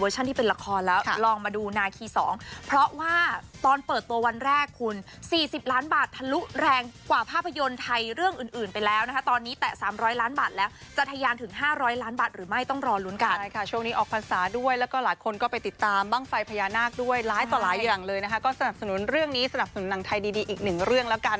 ใช่ค่ะเป็นสายแน่นหัวใจที่พวกเราจะต้องมาเจอกันใหม่ในโรงภาพยนตร์